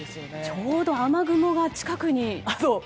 ちょうど雨雲が近くに。